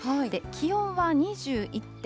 気温は２１．８度。